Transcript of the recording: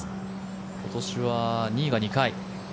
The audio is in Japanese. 今年は２位が２回。